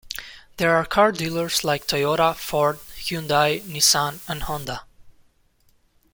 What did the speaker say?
There are car dealers like Toyota, Ford, Hyundai, Nissan, and Honda.